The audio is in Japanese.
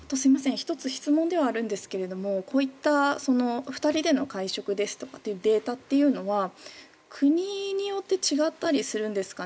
１つ質問ではあるんですがこういった２人での会食とかのデータというのは国によって違ったりするんですかね。